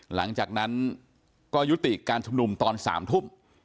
หลังจากนั้นก็ยุติการชุมนุมตอน๓ทุ่ม